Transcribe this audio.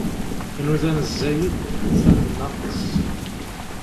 Nudan zzayed, ufan nnaqes.